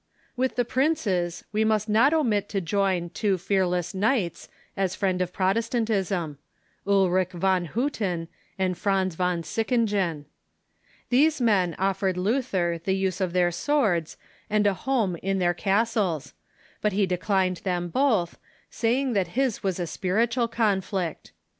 With the princes, we must not omit to join two fearless knights as friends of Protestantism — Ulrich von Ilutten and Franz von Sickingen. These men offered Luther Von Hutten and ^j^^ ^^g^ ^^ their swords and a home in their cas Von Sickmgen ,,1 1, ■,■,•,,. ties, but he dechned them both, saying that his was a spiritual conflict.